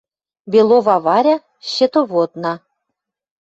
Белова Варя — счетоводна —